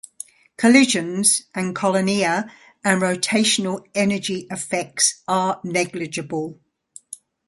Collisions are collinear and rotational energy effects are negligible.